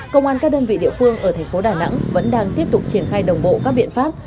công an các đơn vị địa phương ở thành phố đà nẵng vẫn đang tiếp tục triển khai đồng bộ các biện pháp